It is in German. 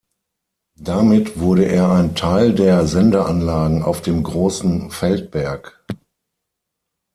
Damit wurde er ein Teil der Sendeanlagen auf dem Großen Feldberg.